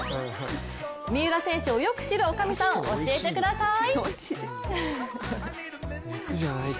三浦選手をよく知る女将さん、教えてください。